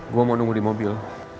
gue mau nunggu di mobil